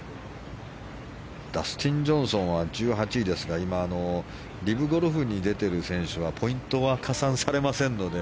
ダスティン・ジョンソンは１８位ですが今、リブゴルフに出ている選手はポイントは加算されませんので。